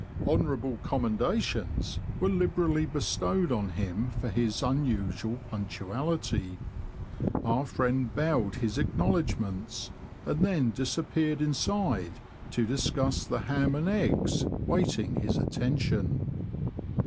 Honourable commendations '' were liberally bestowed on him for his unusual punctuaUty ; our friend bowed his acknowledgments, and then disappeared inside to discuss the ham and eggs waiting his attention.